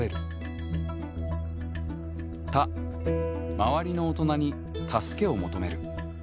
周りの大人にたすけを求める。